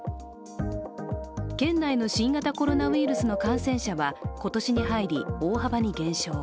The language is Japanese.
県内の新型コロナウイルスの感染者は今年に入り大幅に減少。